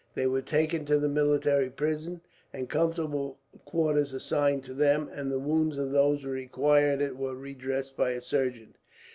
They were taken to the military prison, and comfortable quarters assigned to them; and the wounds of those who required it were redressed by a surgeon.